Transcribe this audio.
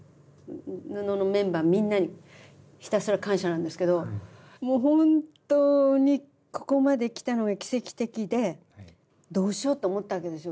ＮＵＮＯのメンバーみんなにひたすら感謝なんですけどもう本当にここまできたのが奇跡的でどうしようと思ったわけですよ